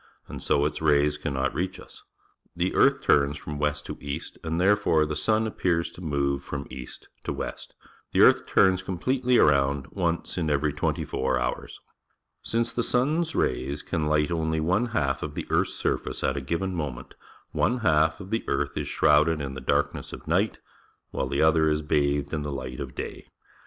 and so its rays cannot reach us. The earth turns fro m west_to east , and, therefore, the sun appears to move from east to west. The earth turns completely around once in every twentv four hours. Since the sun's rays can light only one half of the earth's surface at a given moment, one half of the world is shrouded in the darkness of night while the other is bathed in the light of day.